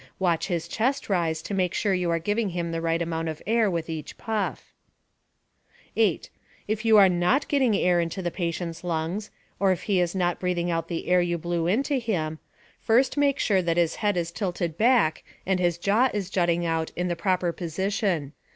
Watch his chest rise to make sure you are giving him the right amount of air with each puff. 8. If you are not getting air into the patient's lungs, or if he is not breathing out the air you blew into him, first make sure that his head is tilted back and his jaw is jutting out in the proper position.